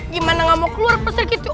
gimana ga mau keluar pasra gitu